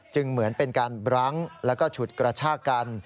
เหมือนเป็นการบรั้งแล้วก็ฉุดกระชากกัน